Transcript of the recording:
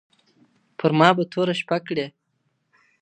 پر ما به توره شپه کړې